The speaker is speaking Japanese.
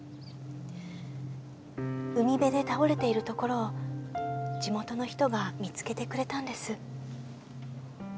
海辺で倒れているところを地元の人が見つけてくれたんです。